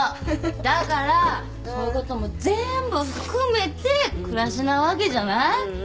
だからそういうことも全部含めて暮らしなわけじゃない。